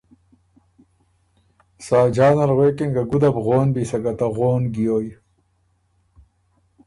ساجان ال غوېکِن که ” ګُده بو غون بی، سکه ته غون ګیویٛ،